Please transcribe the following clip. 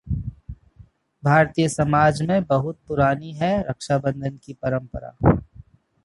भारतीय समाज में बहुत पुरानी है रक्षाबंधन की परंपरा